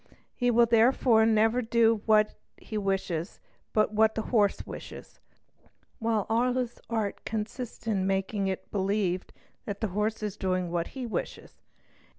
He will therefore never do what he / wishes but what the horse wishes, while all his art will consist in making it be believed that the horse is doing what he wishes.